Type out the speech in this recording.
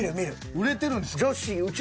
売れてるんすか？